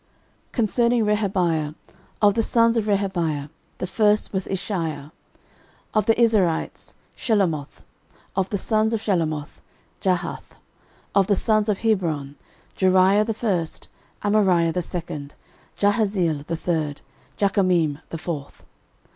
13:024:021 Concerning Rehabiah: of the sons of Rehabiah, the first was Isshiah. 13:024:022 Of the Izharites; Shelomoth: of the sons of Shelomoth; Jahath. 13:024:023 And the sons of Hebron; Jeriah the first, Amariah the second, Jahaziel the third, Jekameam the fourth.